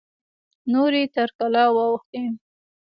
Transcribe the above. نورې تر کلا واوښتې.